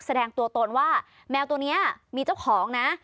แสดงตัวตนว่าแมวตัวนี้มีเจ้าของนะ